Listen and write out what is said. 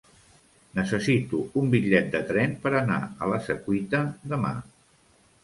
Necessito un bitllet de tren per anar a la Secuita demà.